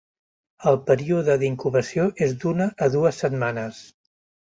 El període d'incubació és d'una a dues setmanes.